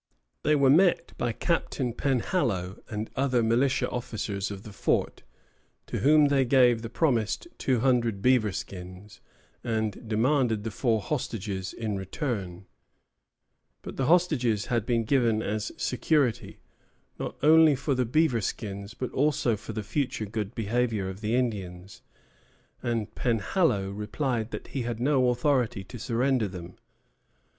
They were met by Captain Penhallow and other militia officers of the fort, to whom they gave the promised two hundred beaver skins, and demanded the four hostages in return; but the hostages had been given as security, not only for the beaver skins, but also for the future good behavior of the Indians, and Penhallow replied that he had no authority to surrender them.